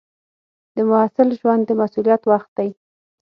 د محصل ژوند د مسؤلیت وخت دی.